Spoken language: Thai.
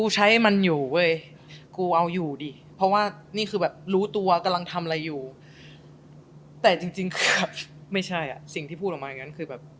แต่จริงคือแบบไม่ใช่อ่ะสิ่งที่พูดออกมาอย่างนั้นคือแบบ